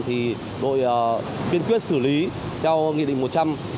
thì đội kiên quyết xử lý theo nghiệp định một trăm linh